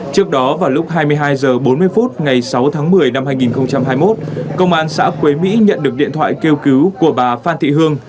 trước đó vào lúc hai mươi hai h bốn mươi phút ngày sáu tháng một mươi năm hai nghìn hai mươi một công an xã quế mỹ nhận được điện thoại kêu cứu của bà phan thị hương